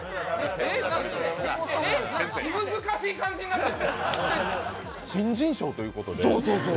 えっ、気難しい感じになってる？